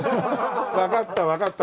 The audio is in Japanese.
わかったわかった。